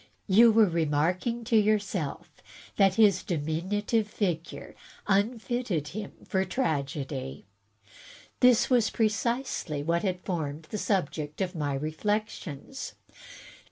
You were re marking to yourself that his diminutive figure unfitted him for tragedy." This was precisely what had formed the subject of my reflections.